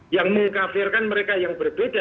yang mengkafirkan mereka yang berbeda